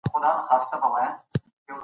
ډیلي کي د احمد شاه ابدالي پوځ څنګه چلند کاوه؟